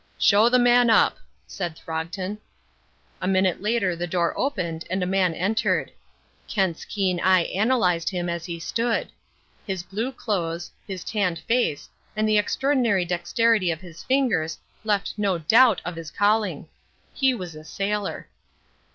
"Show the man up," said Throgton. A minute later the door opened and a man entered. Kent's keen eye analysed him as he stood. His blue clothes, his tanned face, and the extraordinary dexterity of his fingers left no doubt of his calling. He was a sailor.